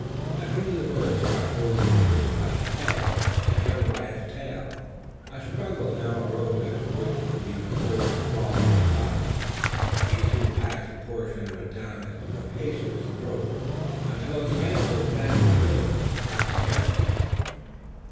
As one of the birds had got hold of the fish by the head and the other by its tail, a struggle now arose as to which should be the first to swallow its body. Each soon passed a portion of it down its capacious throat, until its mandibles met in the middle, and cracked against each other.